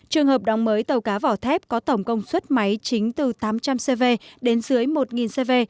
trường hợp đóng mới tàu cá vỏ thép có tổng công suất máy chính từ tám trăm linh cv đến dưới một cv